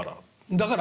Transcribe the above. だから？